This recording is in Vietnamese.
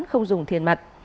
không dùng tiền mặt